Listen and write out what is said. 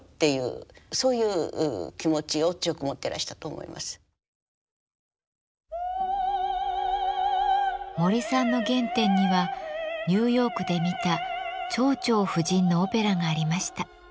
そういうような森さんの原点にはニューヨークで見た「蝶々夫人」のオペラがありました。